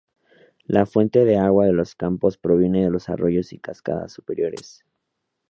La fuente de agua de los campos proviene de los arroyos y cascadas superiores.